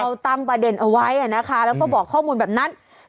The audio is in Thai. ตั้งประเด็นเอาไว้นะคะแล้วก็บอกข้อมูลแบบนั้น